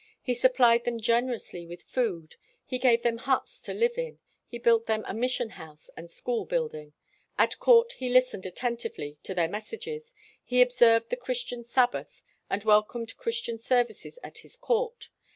He supplied them generously with food. He gave them huts to live in. He built them a mission house and school building. At court he listened attentively to their messages. He observed the Christian Sabbath, and welcomed Christian services at his court.